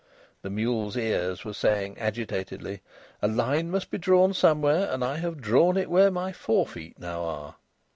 The mule's ears were saying agitatedly: "A line must be drawn somewhere, and I have drawn it where my forefeet now are."